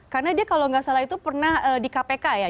karena dia kalau nggak salah itu pernah di kpk ya